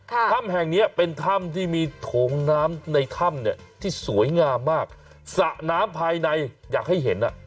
ถ้ำแห่งเนี้ยเป็นถ้ำที่มีโถงน้ำในถ้ำเนี่ยที่สวยงามมากสระน้ำภายในอยากให้เห็นอ่ะ